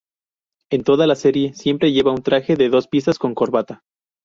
En toda la serie siempre lleva un traje de dos piezas con corbata.